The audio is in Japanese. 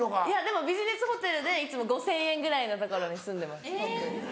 いやでもビジネスホテルでいつも５０００円ぐらいの所に住んでます。